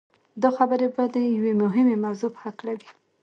دا خبرې به د يوې مهمې موضوع په هکله وي.